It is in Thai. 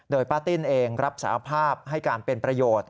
ป้าติ้นเองรับสาภาพให้การเป็นประโยชน์